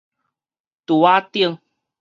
櫥仔頂